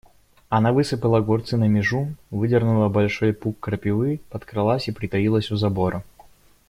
Она высыпала огурцы на межу, выдернула большой пук крапивы, подкралась и притаилась у забора.